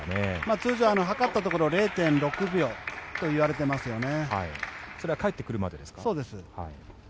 通常、測ったところ０．６秒といわれていますよね。